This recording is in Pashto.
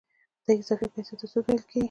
دې اضافي پیسو ته سود ویل کېږي